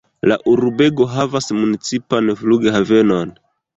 La urbego havas municipan flughavenon.